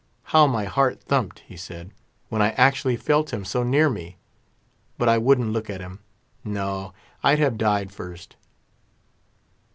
"How my heart thumped," he said, "when I actually, felt him so near me; but I wouldn't look at him—no! I'd have died first!"